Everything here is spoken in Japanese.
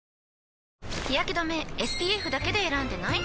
日やけ止めＳＰＦだけで選んでない？